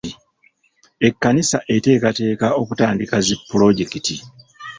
Ekkanisa eteekateeka okutandika zi pulojekiti.